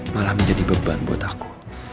malah menjadi beban buat aku